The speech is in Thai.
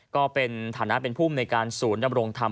ก็เป็นฐานะเป็นภูมิในการศูนย์ดำรงธรรม